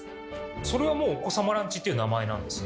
それはもう「お子様ランチ」っていう名前なんですね？